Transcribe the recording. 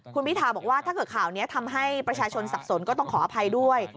คุณพิทาบอกว่าถ้าเกิดข่าวนี้ทำให้ประชาชนสับสนก็ต้องขออภัยด้วย